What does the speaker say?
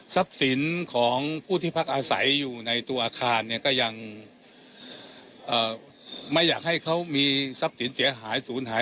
สินของผู้ที่พักอาศัยอยู่ในตัวอาคารเนี่ยก็ยังไม่อยากให้เขามีทรัพย์สินเสียหายศูนย์หาย